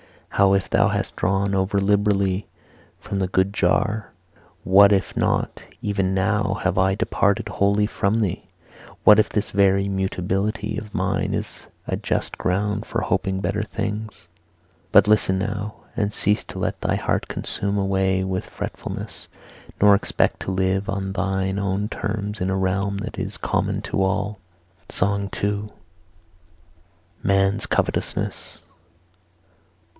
How if thou hast drawn over liberally from the good jar? What if not even now have I departed wholly from thee? What if this very mutability of mine is a just ground for hoping better things? But listen now, and cease to let thy heart consume away with fretfulness, nor expect to live on thine own terms in a realm that is common to all.' SONG II. MAN'S COVETOUSNESS.